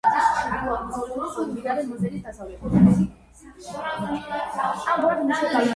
მიუხედავად ამისა, შირვანის სახანოს მმართველებმა მაინც შეძლეს პოლიტიკური თავისთავადობის შენარჩუნება.